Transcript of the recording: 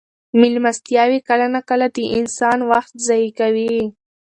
مېلمستیاوې کله ناکله د انسان وخت ضایع کوي.